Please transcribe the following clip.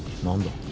何だ？